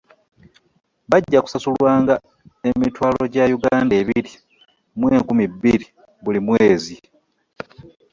Bajja kusasulwanga emitwalo gya Uganda ebiri mu enkumi bbiri buli mwezi.